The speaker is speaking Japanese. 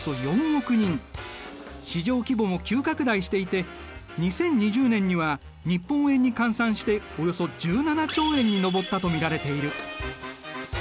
市場規模も急拡大していて２０２０年には日本円に換算しておよそ１７兆円に上ったと見られている。